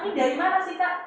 ini dari mana sih kak